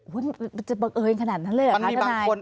มันจะเบิกเอออย่างขนาดนั้นเลยหรือครับท่านนาย